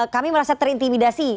kami merasa terintimidasi